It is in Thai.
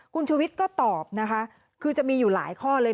คุณชุวิตก็ตอบนะคะคือจะมีอยู่หลายข้อเลย